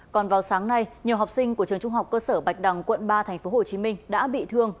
còn vào sáng nay nhiều học sinh của trường trung học cơ sở bạch đằng quận ba tp hcm đã bị thương